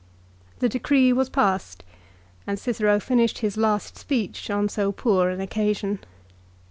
The decree was passed, and Cicero finished his last speech on so poor an occasion.